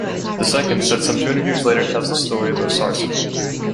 The second, set some two hundred years later, tells the story of Osarseph.